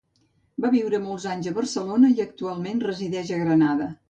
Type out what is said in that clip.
Va viure molts anys a Barcelona i actualment resideix a Granada.